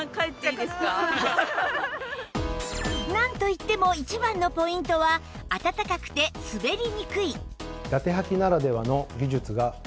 なんといっても一番のポイントはあたたかくて滑りにくい